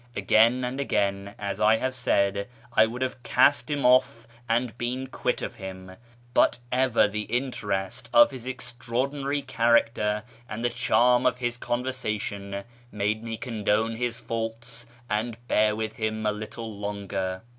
Again and again, as I have said, I would have cast him off and been quit of him, but ever the interest of his extraordinary character and the charm of his conversation made me condone his faults and bear with him a little longer.